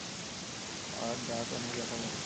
আর দাঁত অনেক ব্যথা করে।